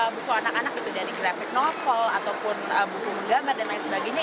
buku anak anak itu dari graphic novel ataupun buku menggambar dan lain sebagainya